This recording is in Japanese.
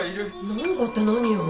なんかって何よ